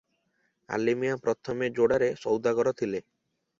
ଆଲିମିଆଁ ପ୍ରଥମେ ଯୋଡ଼ାର ସୌଦାଗର ଥିଲେ ।